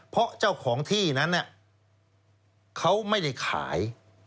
เพราะเจ้าของที่นั้นเขาไม่ได้ขาย